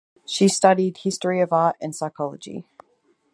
She studied history of art and psychology.